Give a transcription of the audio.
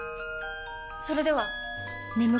それでは！